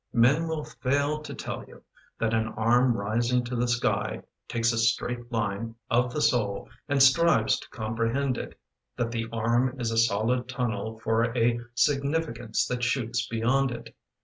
Men will fail to tell you That an arm rising to the sky Takes a straight line of the soul And strives to comprehend it; That the arm is a solid tunnel For a significance that shoots beyond it.